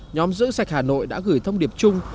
nhóm giữ sạch hà nội đã gửi thông điệp chung